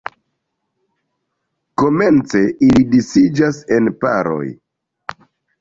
Komence ili disiĝas en paroj.